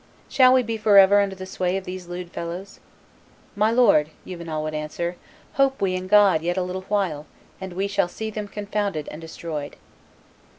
Shall we be forever under the sway of these lewd fellows?" "My lord," Juvenal would answer, "hope we in God; yet a little while and we shall see them confounded and destroyed."